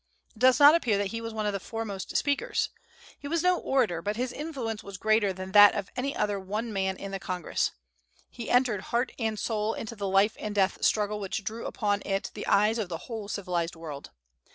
It does not appear that he was one of the foremost speakers. He was no orator, but his influence was greater than that of any other one man in the Congress. He entered heart and soul into the life and death struggle which drew upon it the eyes of the whole civilized world.